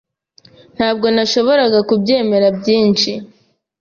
Ntabwo nashoboraga kubyemera byinshi.